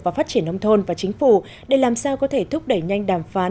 và phát triển nông thôn và chính phủ để làm sao có thể thúc đẩy nhanh đàm phán